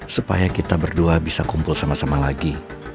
supaya kita berdua bisa kumpul sama sama lagi